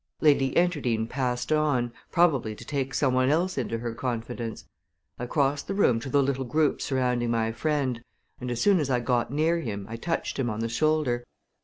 Lady Enterdean passed on, probably to take some one else into her confidence. I crossed the room to the little group surrounding my friend, and as soon as I got near him I touched him on the shoulder.